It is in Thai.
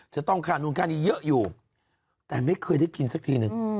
จะต้องค่านู้นค่านี้เยอะอยู่แต่ไม่เคยได้กินสักทีนึง